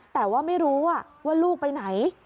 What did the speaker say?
แต่ว่าไม่รู้ว่าลูกไปไหน